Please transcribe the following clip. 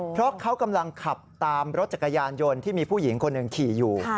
เพราะเขากำลังขับตามรถจักรยานยนต์ที่มีผู้หญิงคนหนึ่งขี่อยู่